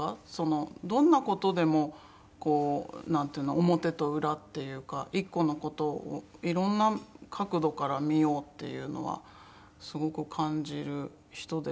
どんな事でもなんていうの表と裏っていうか１個の事をいろんな角度から見ようっていうのはすごく感じる人でしたね。